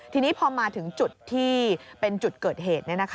ทีนี้พอมาถึงจุดที่เป็นจุดเกิดเหตุ